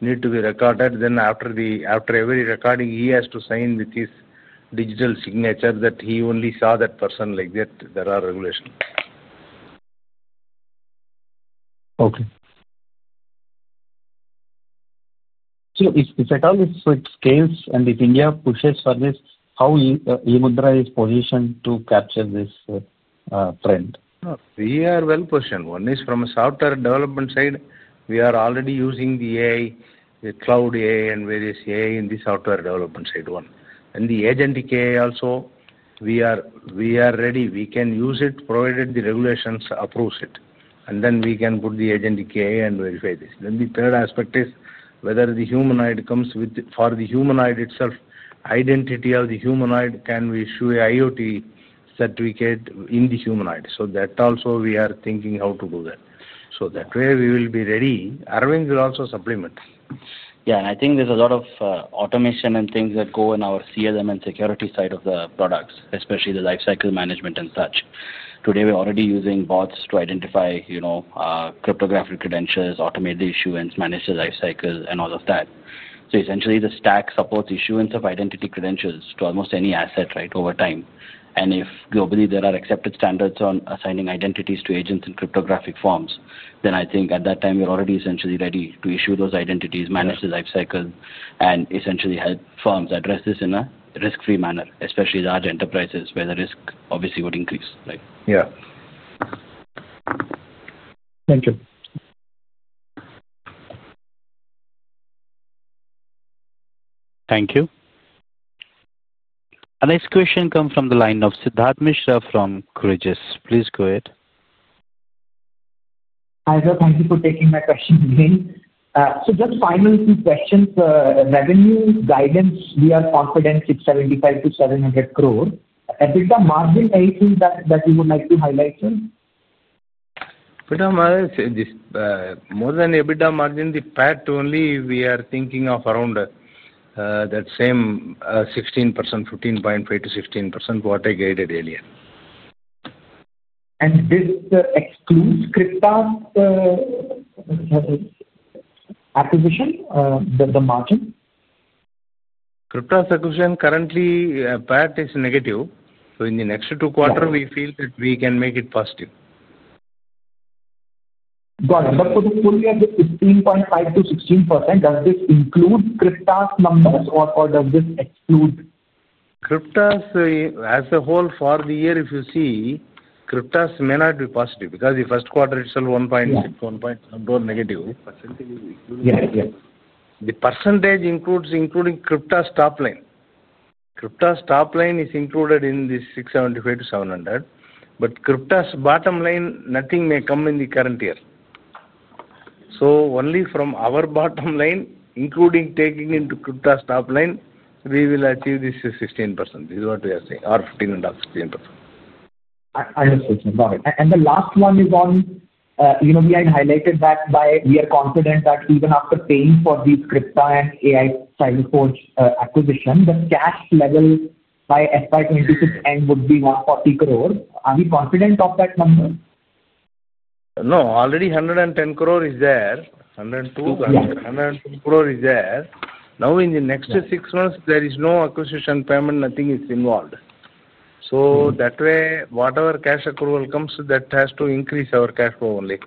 needs to be recorded. After every recording, he has to sign with his digital signature that he only saw that person. Like that, there are regulations. Okay. If at all, if it scales and if India pushes for this, how eMudhra is positioned to capture this trend? We are well positioned. One is from a software development side. We are already using the EIA, the cloud EIA, and various EIA in the software development side one. The agentic EIA also, we are ready. We can use it provided the regulations approve it. We can put the agentic EIA and verify this. The third aspect is whether the humanoid comes with, for the humanoid itself, identity of the humanoid, can we issue a IoT certificate in the humanoid? That also, we are thinking how to do that. That way, we will be ready. Arvind will also supplement. Yeah. I think there's a lot of automation and things that go in our CLM and security side of the products, especially the lifecycle management and such. Today, we're already using bots to identify cryptographic credentials, automate the issuance, manage the lifecycle, and all of that. Essentially, the stack supports issuance of identity credentials to almost any asset, right, over time. If globally, there are accepted standards on assigning identities to agents in cryptographic forms, then I think at that time, we're already essentially ready to issue those identities, manage the lifecycle, and essentially help firms address this in a risk-free manner, especially large enterprises where the risk obviously would increase, right? Yeah. Thank you. Thank you. Our next question comes from the line of Siddharth Mishra from Creaegis. Please go ahead. Hi, sir. Thank you for taking my question again. So just final two questions. Revenue guidance, we are confident it is 675 crore-700 crore. EBITDA margin, anything that you would like to highlight, sir? EBITDA margin, more than EBITDA margin, the PAT only, we are thinking of around that same 16%, 15.5%-16%, what I guided earlier. This excludes CRYPTAS acquisition, the margin? CRYPTAS acquisition, currently, PAT is negative. In the next two quarters, we feel that we can make it positive. Got it. For the full year, 15.5-16%, does this include CRYPTAS' numbers or does this exclude? CRYPTAS as a whole for the year, if you see, CRYPTAS may not be positive because the first quarter itself, 1.6, 1.7, negative. Percentage is excluded? Yeah. The percentage includes, including CRYPTAS top line. CRYPTAS top line is included in this 675-700. But CRYPTAS bottom line, nothing may come in the current year. Only from our bottom line, including taking into CRYPTAS top line, we will achieve this 16%. This is what we are saying, or 15.5%, 16%. Understood, sir. Got it. The last one is on, we had highlighted that we are confident that even after paying for these CRYPTAS and AI CyberForge acquisition, the cash level by FY 2026 end would be 140 crore. Are we confident of that number? No. Already 110 crore is there. 102 crore is there. Now, in the next six months, there is no acquisition payment, nothing is involved. That way, whatever cash accrual comes, that has to increase our cash flow only.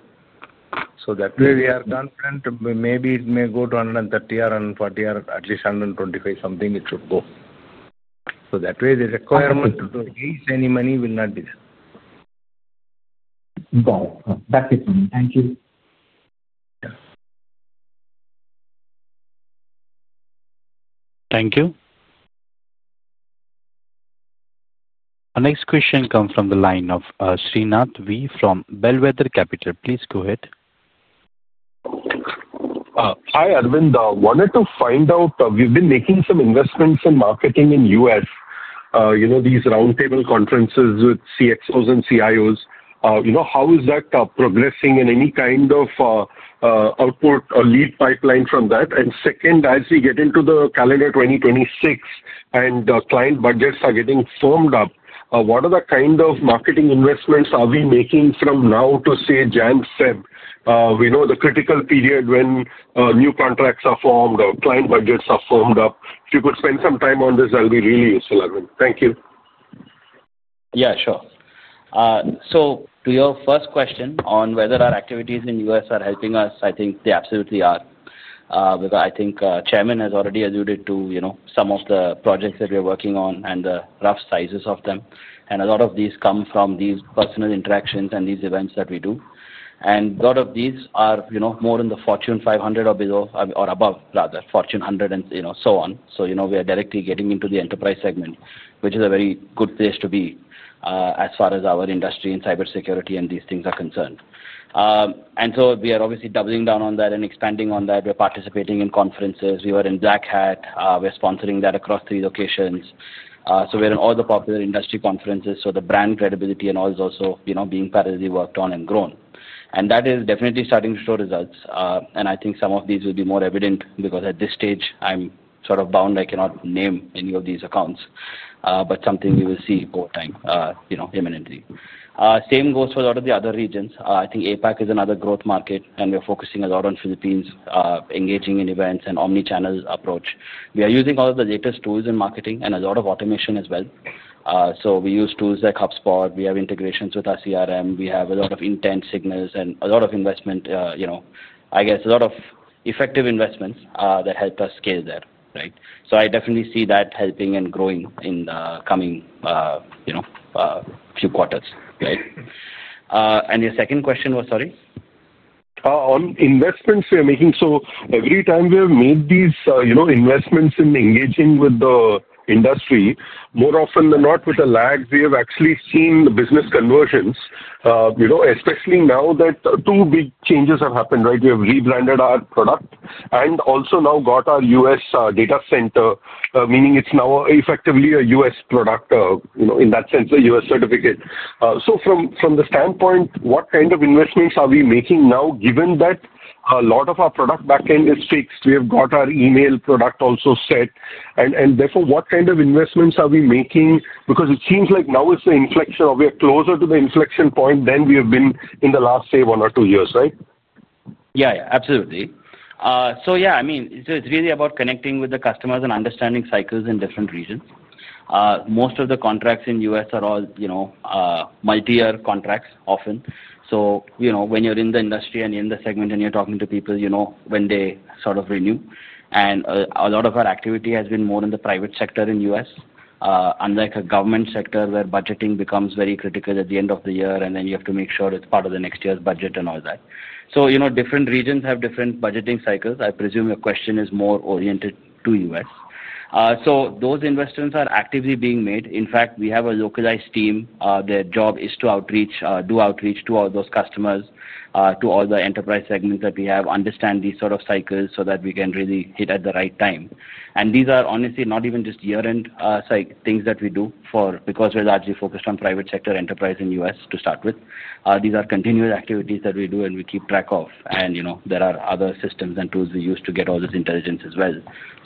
That way, we are confident maybe it may go to 130 crore or 140 crore or at least 125 crore, something it should go. That way, the requirement to raise any money will not be there. Got it. That's it, sir. Thank you. Thank you. Our next question comes from the line of Srinath V from Bellwether Capital. Please go ahead. Hi, Aravind. I wanted to find out, we've been making some investments in marketing in the U.S., these roundtable conferences with CXOs and CIOs. How is that progressing? Any kind of output or lead pipeline from that? Second, as we get into the calendar 2026 and client budgets are getting firmed up, what are the kind of marketing investments are we making from now to, say, January February? We know the critical period when new contracts are formed or client budgets are firmed up. If you could spend some time on this, that would be really useful, Arvind. Thank you. Yeah, sure. To your first question on whether our activities in the U.S. are helping us, I think they absolutely are. I think Chairman has already alluded to some of the projects that we are working on and the rough sizes of them. A lot of these come from these personal interactions and these events that we do. A lot of these are more in the Fortune 500 or above, rather, Fortune 100 and so on. We are directly getting into the enterprise segment, which is a very good place to be as far as our industry and cybersecurity and these things are concerned. We are obviously doubling down on that and expanding on that. We're participating in conferences. We were in Black Hat. We're sponsoring that across three locations. We are in all the popular industry conferences. The brand credibility and all is also being pattedly worked on and grown. That is definitely starting to show results. I think some of these will be more evident because at this stage, I'm sort of bound. I cannot name any of these accounts, but something we will see over time imminently. Same goes for a lot of the other regions. I think APAC is another growth market, and we're focusing a lot on Philippines, engaging in events and omnichannel approach. We are using all of the latest tools in marketing and a lot of automation as well. We use tools like HubSpot. We have integrations with our CRM. We have a lot of intense signals and a lot of investment. I guess a lot of effective investments that help us scale there, right? I definitely see that helping and growing in the coming. Few quarters, right? Your second question was, sorry? On investments we are making. Every time we have made these investments in engaging with the industry, more often than not, with the lags, we have actually seen the business conversions, especially now that two big changes have happened, right? We have rebranded our product and also now got our U.S. data center, meaning it's now effectively a U.S. product in that sense, a U.S. certificate. From the standpoint, what kind of investments are we making now, given that a lot of our product backend is fixed? We have got our email product also set. Therefore, what kind of investments are we making? It seems like now it's the inflection. Are we closer to the inflection point than we have been in the last, say, one or two years, right? Yeah, yeah. Absolutely. Yeah, I mean, it's really about connecting with the customers and understanding cycles in different regions. Most of the contracts in the U.S. are all multi-year contracts, often. When you're in the industry and in the segment and you're talking to people, you know when they sort of renew. A lot of our activity has been more in the private sector in the U.S., unlike a government sector where budgeting becomes very critical at the end of the year, and then you have to make sure it's part of the next year's budget and all that. Different regions have different budgeting cycles. I presume your question is more oriented to the U.S.. Those investments are actively being made. In fact, we have a localized team. Their job is to do outreach to all those customers, to all the enterprise segments that we have, understand these sort of cycles so that we can really hit at the right time. These are honestly not even just year-end things that we do because we're largely focused on private sector enterprise in the U.S. to start with. These are continuous activities that we do and we keep track of. There are other systems and tools we use to get all this intelligence as well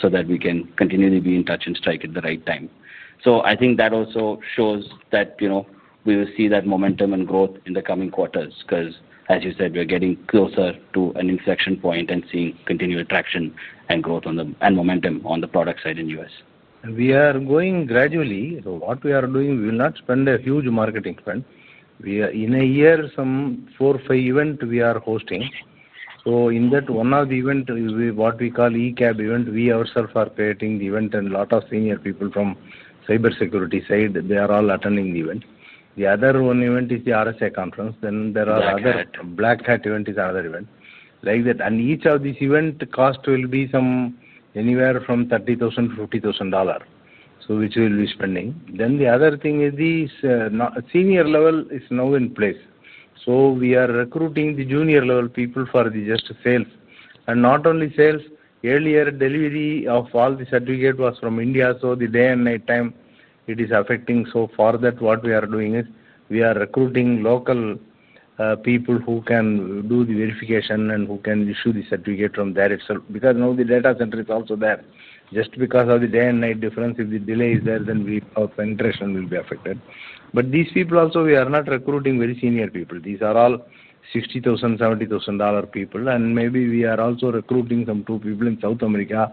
so that we can continually be in touch and strike at the right time. I think that also shows that. We will see that momentum and growth in the coming quarters because, as you said, we're getting closer to an inflection point and seeing continued traction and growth and momentum on the product side in the U.S.. We are going gradually. What we are doing, we will not spend a huge marketing spend. In a year, some four or five events we are hosting. In that, one of the events, what we call ECAB event, we ourselves are creating the event and a lot of senior people from cybersecurity side, they are all attending the event. The other one event is the RSA conference. There are other Black Hat event is another event. Each of these event costs will be somewhere from $30,000-$50,000, which we will be spending. The other thing is the senior level is now in place. We are recruiting the junior level people for just sales. Not only sales, earlier delivery of all the certificate was from India. The day and night time, it is affecting. For that, what we are doing is we are recruiting local people who can do the verification and who can issue the certificate from there itself. Because now the data center is also there. Just because of the day and night difference, if the delay is there, then our penetration will be affected. These people also, we are not recruiting very senior people. These are all $60,000-$70,000 people. Maybe we are also recruiting two people in South America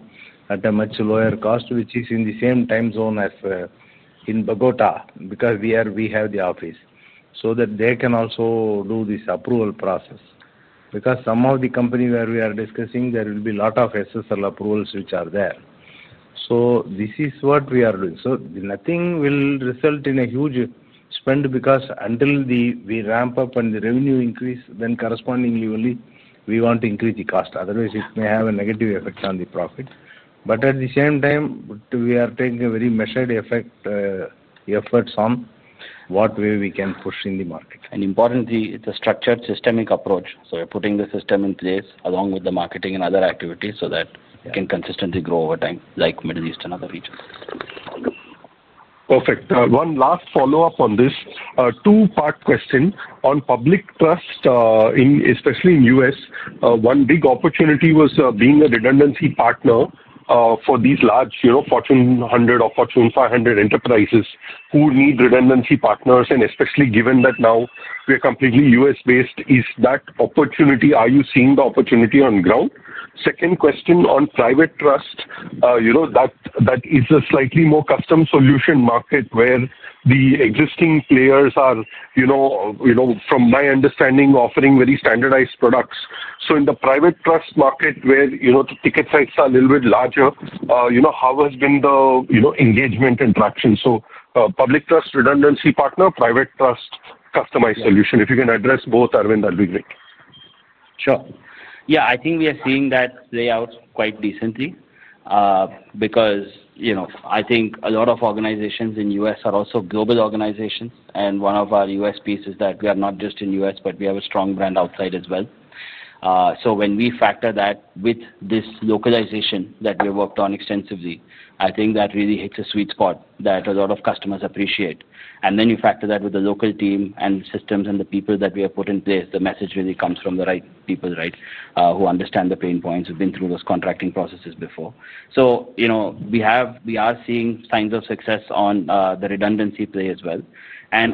at a much lower cost, which is in the same time zone as in Bogotá because we have the office, so that they can also do this approval process. Some of the companies where we are discussing, there will be a lot of SSL approvals which are there. This is what we are doing. Nothing will result in a huge spend because until we ramp up and the revenue increase, then correspondingly, only we want to increase the cost. Otherwise, it may have a negative effect on the profit. At the same time, we are taking a very measured effort on what way we can push in the market. Importantly, it's a structured systemic approach. We're putting the system in place along with the marketing and other activities so that it can consistently grow over time, like Middle East and other regions. Perfect. One last follow-up on this, two-part question on public trust, especially in the U.S. One big opportunity was being a redundancy partner for these large Fortune 100 or Fortune 500 enterprises who need redundancy partners. Especially given that now we are completely U.S.-based, is that opportunity? Are you seeing the opportunity on the ground? Second question on private trust. That is a slightly more custom solution market where the existing players are, from my understanding, offering very standardized products. In the private trust market, where the ticket sizes are a little bit larger, how has been the engagement and traction? Public trust, redundancy partner, private trust, customized solution. If you can address both, Arvind, that would be great. Sure. Yeah, I think we are seeing that play out quite decently. Because I think a lot of organizations in the U.S. are also global organizations. One of our U.S. pieces is that we are not just in the U.S., but we have a strong brand outside as well. When we factor that with this localization that we have worked on extensively, I think that really hits a sweet spot that a lot of customers appreciate. You factor that with the local team and systems and the people that we have put in place, the message really comes from the right people, right, who understand the pain points, who have been through those contracting processes before. We are seeing signs of success on the redundancy play as well.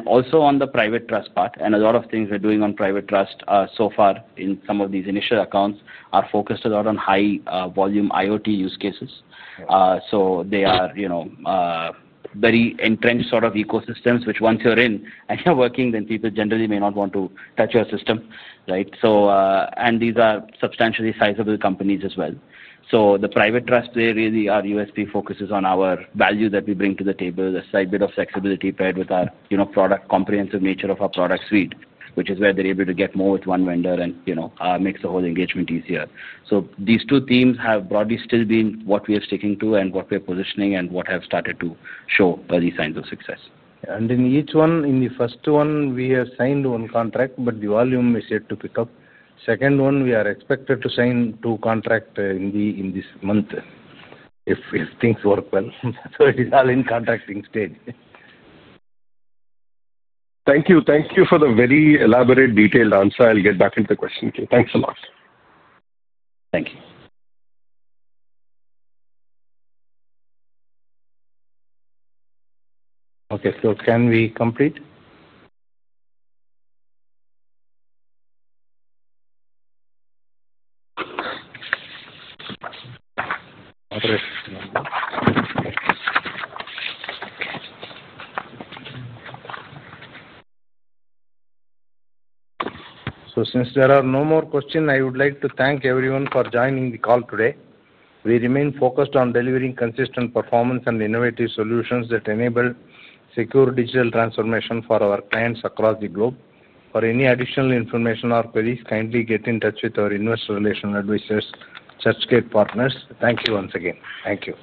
Also on the private trust part. A lot of things we're doing on private trust so far in some of these initial accounts are focused a lot on high-volume IoT use cases. They are very entrenched sort of ecosystems, which once you're in and you're working, then people generally may not want to touch your system, right? These are substantially sizable companies as well. The private trust play, really our U.S.P, focuses on our value that we bring to the table, a slight bit of flexibility paired with the comprehensive nature of our product suite, which is where they're able to get more with one vendor and it makes the whole engagement easier. These two themes have broadly still been what we are sticking to and what we are positioning and what have started to show these signs of success. In each one, in the first one, we have signed one contract, but the volume is yet to pick up. The second one, we are expected to sign two contracts in this month if things work well. It is all in contracting stage. Thank you. Thank you for the very elaborate, detailed answer. I'll get back into the questions. Thanks a lot. Thank you. Okay. Can we complete? Since there are no more questions, I would like to thank everyone for joining the call today. We remain focused on delivering consistent performance and innovative solutions that enable secure digital transformation for our clients across the globe. For any additional information or queries, kindly get in touch with our investor relation advisors, certificate partners. Thank you once again. Thank you.